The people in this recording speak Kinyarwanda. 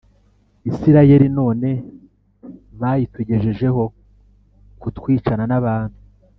Isirayeli none bayitugejejeho kutwicana n abantu